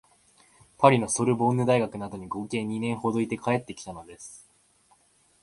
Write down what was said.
パリのソルボンヌ大学などに合計二年ほどいて帰ってきたのです